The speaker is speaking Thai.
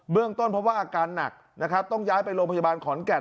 เรื่องต้นเพราะว่าอาการหนักนะครับต้องย้ายไปโรงพยาบาลขอนแก่น